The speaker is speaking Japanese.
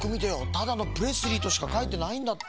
ただの「プレスリー」としかかいてないんだって。